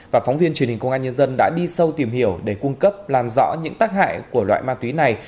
và phóng viên truyền hình công an nhân dân đã đi sâu tìm hiểu để cung cấp làm rõ những tác hại của loại ma túy này